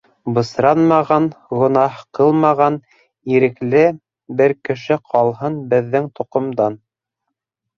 Бысранмаған, гонаһ ҡылмаған, ирекле бер кеше ҡалһын беҙҙең тоҡомдан?!.